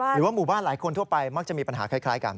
หรือว่าหมู่บ้านหลายคนทั่วไปมักจะมีปัญหาคล้ายกัน